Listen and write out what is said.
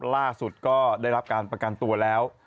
ล่าสุดก็ได้รับการประกันตัวแล้ว